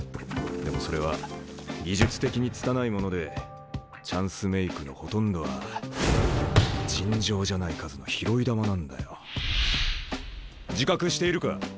でもそれは技術的に拙いものでチャンスメークのほとんどは尋常じゃない数の拾い球なんだよ。自覚しているか？